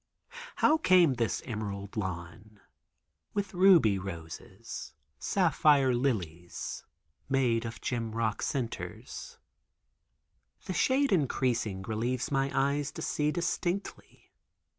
How came this emerald lawn with ruby roses, sapphire lilies, made of the gem rock centers. The shade increasing relieves my eyes to see distinctly.